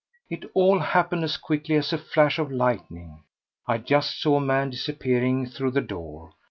It all happened as quickly as a flash of lightning. I just saw a man disappearing through the door.